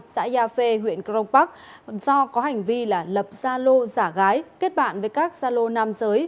xã gia phê huyện crong park do có hành vi là lập gia lô giả gái kết bạn với các gia lô nam giới